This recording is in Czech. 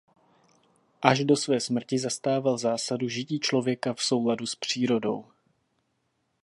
Až do své smrti zastával zásadu žití člověka v souladu s přírodou.